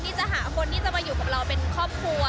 ที่จะหาคนที่จะมาอยู่กับเราเป็นครอบครัว